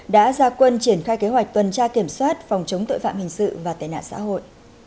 đã ra quân triển khai kế hoạch tuần tra kiểm soát phòng chống tội phạm hình sự và tệ nạn xã hội